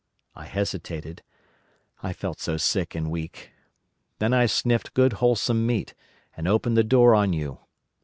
I hesitated—I felt so sick and weak. Then I sniffed good wholesome meat, and opened the door on you.